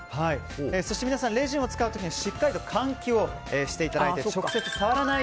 そして皆さん、レジンを使う時しっかり換気をしてください。